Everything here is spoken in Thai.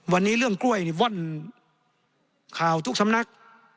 วันนี้เรื่องกล้วยนี่ว่อนข่าวทุกสำนัก